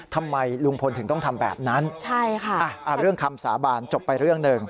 ทำไมลุงพลถึงต้องทำแบบนั้นใช่ค่ะเรื่องคำสาบานจบไปเรื่องหนึ่ง